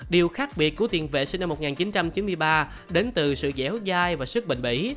điều khác biệt của tiền vệ sinh năm một nghìn chín trăm chín mươi ba đến từ sự dẻo dai và sức bình bỉ